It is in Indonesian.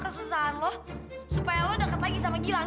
kamu kan tau masalah aku tuh udah banyak lang